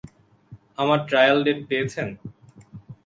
আমার trial date পেয়েছেন?